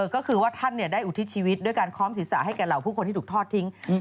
ก็คือว่าท่านได้อุทิศชีวิตด้วยการค้อมศีรษะให้แก่เหล่าผู้คนที่ถูกทอดทิ้ง